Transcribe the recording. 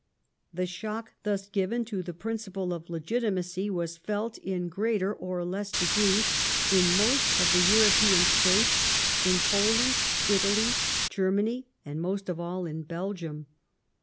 The shock thus given to the principle of legitimacy was felt in greater or less degree in most of the European States, in Poland, Italy, Germany, and most of all in Belgium.